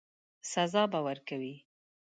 سزا به ورکوي.